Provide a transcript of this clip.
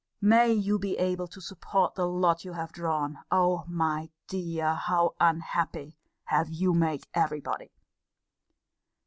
May you be enabled to support the lot you have drawn! O my dear! how unhappy have you made every body!